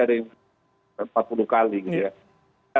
dari empat puluh kali gitu ya